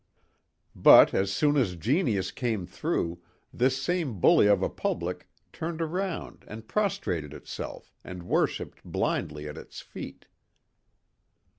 But as soon as genius came through, this same bully of a public turned around and prostrated itself and worshipped blindly at its feet.